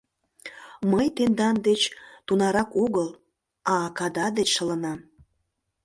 — Мый тендан деч тунарак огыл, а акада деч шылынам.